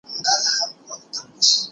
په بریتانیا کې دا ستونزه کم ده.